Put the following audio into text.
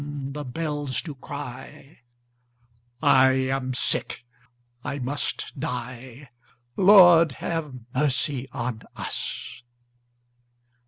the bells do cry; I am sick, I must die— Lord, have mercy on us!